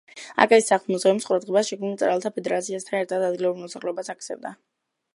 აკაკის სახლ-მუზეუმს ყურადღებას შექმნილ მწერალთა ფედერაციასთან ერთად, ადგილობრივი მოსახლეობაც აქცევდა.